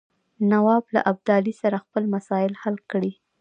نواب له ابدالي سره خپل مسایل حل کړي.